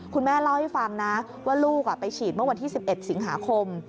คุณแม่เล่าให้ฟังนะว่าลูกไปฉีดเมื่อวันที่๑๑สิงหาคม